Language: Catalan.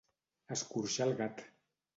Escorxar el gat.